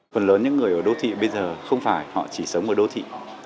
phần lớn những người ở đô thị bây giờ không phải họ chỉ sống ở đô thị